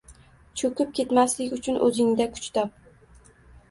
Cho‘kib ketmaslik uchun o‘zingda kuch top.